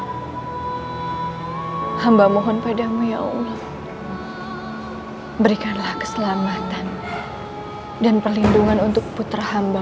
hai hamba mohon padamu ya allah berikanlah keselamatan dan perlindungan untuk putra hamba